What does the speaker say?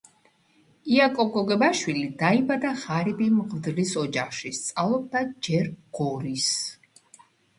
იაკობ გოგებაშვილი დაიბადა ღარიბი მღვდლის ოჯახში. სწავლობდა ჯერ გორის,